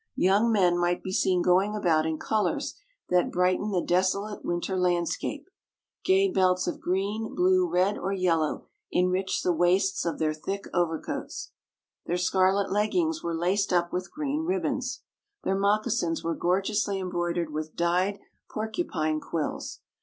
Young men might be seen going about in colours that brightened the desolate winter landscape. Gay belts of green, blue, red, or yellow enriched the waists of their thick overcoats. Their scarlet leggings were laced up with green ribbons. Their moccasins were gorgeously embroidered with dyed porcupine quills.